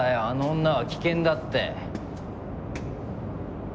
あの女は危険だって。